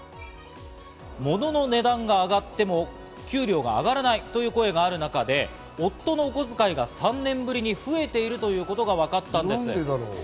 物の値段が上がっても給料が上がらないという声がある中で夫のお小遣いが３年ぶりに増えているということがわかったんです。